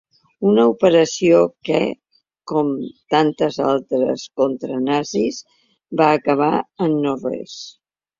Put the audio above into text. Una operació, que, com tantes altres contra nazis, va acabar en no res.